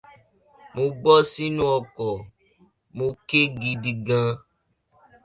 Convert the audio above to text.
Mo bọ́ sínú ọkọ̀, mo kéé gidi gan.